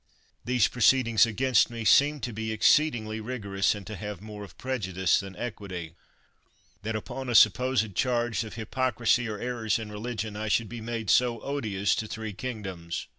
These proceed ings against me seem to be exceeding rigorous, and to have more of prejudice than equity — that upon a supposed charge of hypocrisy or errors in religion I should be made so odious to three kingdoms.